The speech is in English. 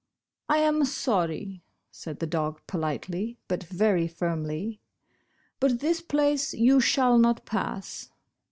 " I am sorry," said the dog, politely but very firmly, "but this place you shall not pass."